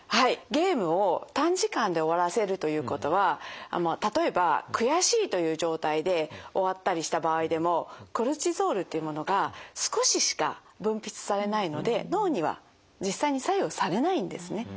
ゲームを短時間で終わらせるということは例えば悔しいという状態で終わったりした場合でもコルチゾールっていうものが少ししか分泌されないので脳には実際に作用されないんですね。